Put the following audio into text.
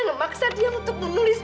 ngemaksa dia untuk menulis